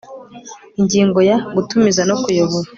Ingingo ya Gutumiza no kuyobora